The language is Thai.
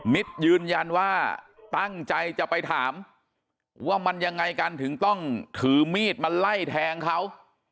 ยืนยันว่าตั้งใจจะไปถามว่ามันยังไงกันถึงต้องถือมีดมาไล่แทงเขา